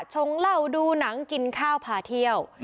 ชงเหล้าดูหนังกินข้าวพาเที่ยว